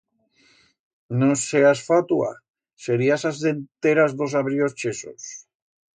No seas fatua... Serías as denteras d'os abríos chesos.